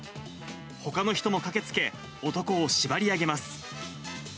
ほかの人も駆けつけ、男を縛り上げます。